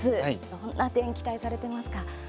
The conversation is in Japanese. どんな点、期待されてますか。